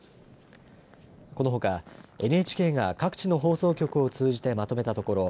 このほかＮＨＫが各地の放送局を通じてまとめたところ